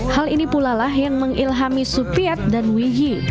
hal ini pula yang mengilhami supiat dan wiyi